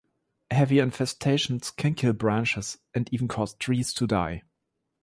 Heavy infestations can kill branches and even cause trees to die.